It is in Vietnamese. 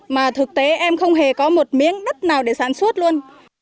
mà thực tế em không hề có một miếng đất nào để sản xuất luôn